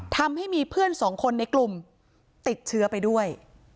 ทำให้มีเพื่อนสองคนในกลุ่มติดเชื้อไปด้วย